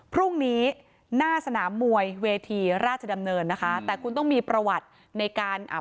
พรุ่งนี้หน้าสนามมวยเวทีราชดำเนินนะคะแต่คุณต้องมีประวัติในการอ่า